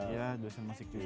iya dosen masjid juga